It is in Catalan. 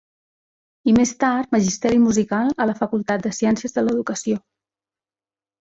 I més tard magisteri musical a la Facultat de Ciències de l'Educació.